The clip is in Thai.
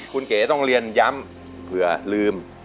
คุณเก๋ต้องเรียนย้ำเผื่อลืม